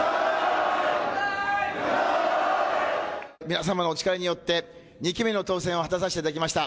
皆様のお力によって、２期目の当選を果たさせていただきました。